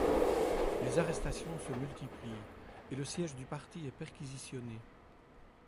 Les arrestations se multiplient et le siège du Parti est perquisitionné.